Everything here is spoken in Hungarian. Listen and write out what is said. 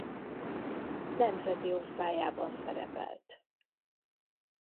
Nemzeti Osztályában szerepelt.